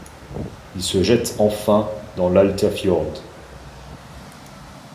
Il se jette enfin dans l'Altafjord.